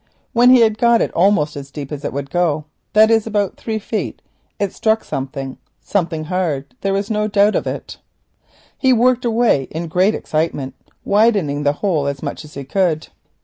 When he had got it almost as deep as it would go, that is about two feet, it struck something—something hard—there was no doubt of it. He worked away in great excitement, widening the hole as much as he could.